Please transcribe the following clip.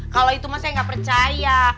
kalau itu mah saya nggak percaya